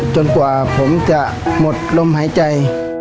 จนกว่าผมจะหมดลมหายใจ